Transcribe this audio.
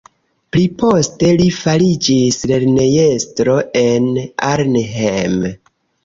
Pliposte li fariĝis lernejestro en Arnhem.